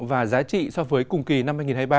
và giá trị so với cùng kỳ năm hai nghìn hai mươi ba